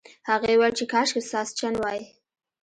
هغې وویل چې کاشکې ساسچن وای.